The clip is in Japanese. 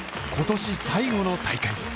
今年最後の大会。